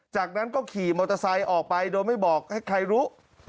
จากนั้นก็ขี่มอเตอร์ไซค์ออกไปโดยไม่บอกให้ใครรู้